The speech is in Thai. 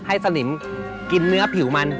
สลิมกินเนื้อผิวมัน